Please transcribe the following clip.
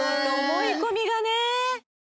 思い込みがね。